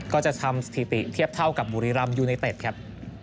ก็จะทำสถิติเทียบเท่ากับบุรีรำยูไนเต็ดครับ